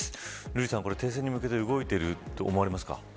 瑠麗さん、停戦に向けて動いていると思われますか。